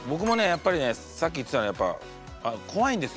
やっぱりねさっき言ってたようにやっぱ怖いんですよ。